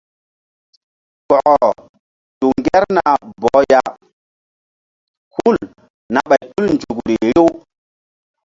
Kɔkɔ tu ŋgerna bɔh ya hul na ɓay tul nzukri riw.